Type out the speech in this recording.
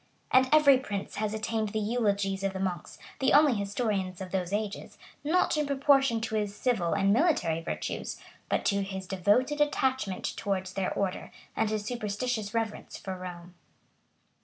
And every prince has attained the eulogies of the monks, the only historians of those ages, not in proportion to his civil and military virtues, but to his devoted attachment towards their order, and his superstitious reverence for Rome.